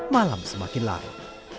malam semakin larut